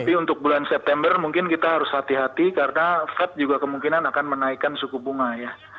tapi untuk bulan september mungkin kita harus hati hati karena fed juga kemungkinan akan menaikkan suku bunga ya